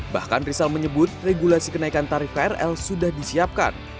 bahkan rizal menyebut regulasi kenaikan tarif krl sudah disiapkan